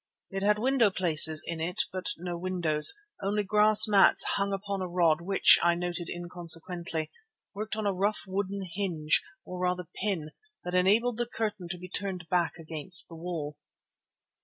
It had window places in it but no windows, only grass mats hung upon a rod which, I noted inconsequently, worked on a rough, wooden hinge, or rather pin, that enabled the curtain to be turned back against the wall.